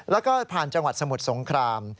แล้วก็ผ่านจังหวัดสมุทรสงคราม